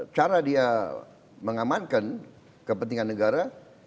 cara dia mengamankan kepentingan negara